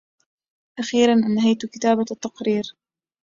أخيرا أنهيتُ كتابة التقرير.